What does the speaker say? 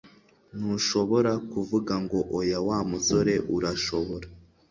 Ntushobora kuvuga ngo oya Wa musore, urashobora?